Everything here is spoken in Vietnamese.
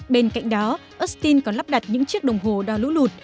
bên cạnh đó austin còn lắp đặt những chiếc đồng hồ đo lũ lụt